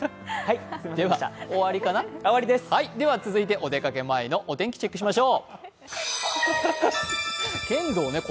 お出かけ前のお天気チェックしましょう。